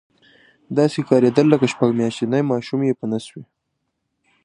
داسې ښکارېدل لکه شپږ میاشتنی ماشوم یې په نس وي.